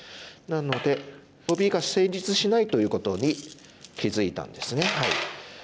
なのでノビが成立しないということに気付いたんですね。